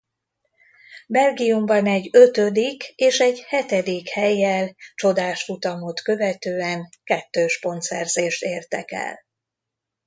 Belgiumban egy ötödik és egy hetedik hellyel csodás futamot követően kettős pontszerzést értek el.